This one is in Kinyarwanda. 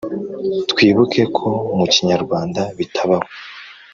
twibuke ko mu kinyarwanda bitabaho